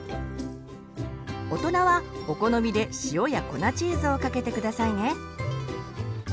大人はお好みで塩や粉チーズをかけて下さいね。